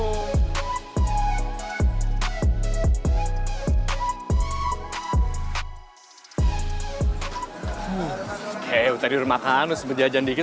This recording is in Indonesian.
oke tadi udah makan terus belajar sedikit